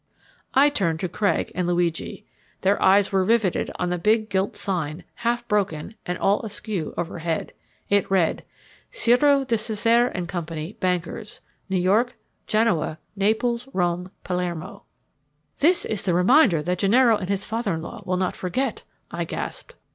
I turned to Craig and Luigi. Their eyes were riveted on the big gilt sign, half broken, and all askew overhead. It read: CIRO DI CESARE & CO. BANKERS NEW YORK, GENOA, NAPLES, ROME, PALERMO "This is the reminder so that Gennaro and his father in law will not forget," I gasped.